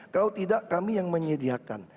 kalau tidak kami yang menyediakan